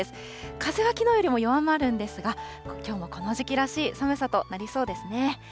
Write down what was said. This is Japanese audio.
風はきのうよりも弱まるんですが、きょうもこの時期らしい寒さとなりそうですね。